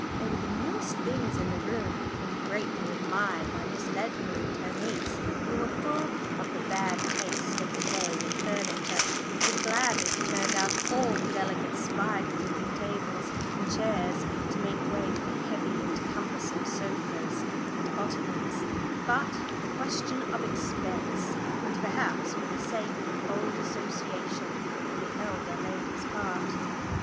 They were the newest things in the room, and greatly admired by Miss Ledbury and her niece, who were full of the bad taste of the day in furniture, and would gladly have turned out all the delicate spidery looking tables and chairs to make way for heavy and cumbersome sofas and ottomans, but for the question of expense, and perhaps for the sake of old association on the elder lady's part.